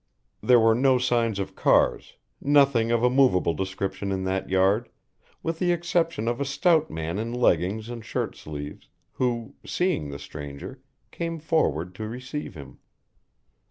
There were no signs of cars, nothing of a movable description in that yard, with the exception of a stout man in leggings and shirtsleeves, who, seeing the stranger, came forward to receive him.